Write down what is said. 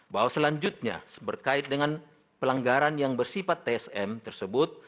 bahwa selanjutnya berkait dengan pelanggaran yang bersifat tsm tersebut